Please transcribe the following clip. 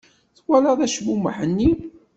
Twalaḍ acmumeḥ-nni?